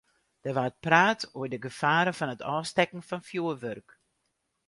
Der waard praat oer de gefaren fan it ôfstekken fan fjurwurk.